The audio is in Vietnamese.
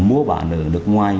múa bản ở nước ngoài